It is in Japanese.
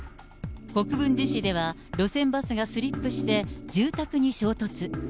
国分寺市では、路線バスがスリップして、住宅に衝突。